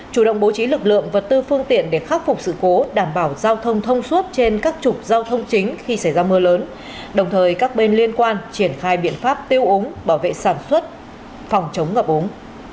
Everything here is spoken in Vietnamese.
chủ động bố trí lực lượng vật tư phương tiện để khắc phục sự cố đảm bảo giao thông thông suốt trên các trục giao thông chính khi xảy ra mưa lớn đồng thời các bên liên quan triển khai biện pháp tiêu ống bảo vệ sản xuất phòng chống ngập ống